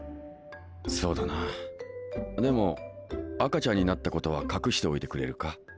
そうだなでも赤ちゃんになったことは隠しておいてくれるか？